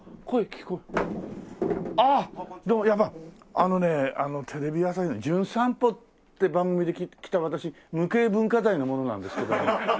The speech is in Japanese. あのねテレビ朝日の『じゅん散歩』って番組で来た私無形文化財の者なんですけども。